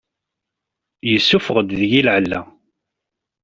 Yessuffeɣ-d deg-i lɛella.